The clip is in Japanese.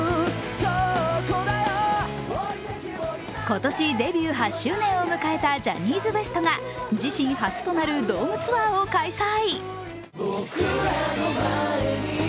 今年デビュー８周年を迎えたジャニーズＷＥＳＴが自身初となるドームツアーを開催。